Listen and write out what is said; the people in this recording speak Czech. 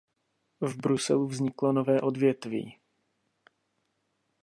V Bruselu vzniklo nové odvětví.